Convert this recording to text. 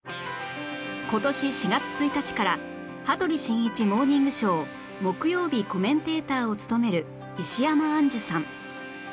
今年４月１日から『羽鳥慎一モーニングショー』木曜日コメンテーターを務める石山アンジュさん